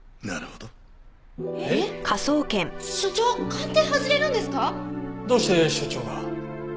どうして所長が。